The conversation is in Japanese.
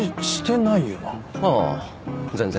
ああ全然。